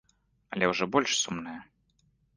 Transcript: Але ўжо больш сумная.